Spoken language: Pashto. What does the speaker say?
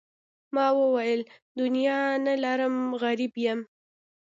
ما وویل دنیا نه لرم غریب یم.